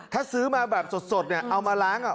ถ้าซื้อมาแบบสดเอามาล้าง